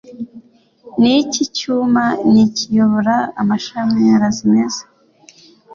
Niki cyuma nikiyobora amashanyarazi meza?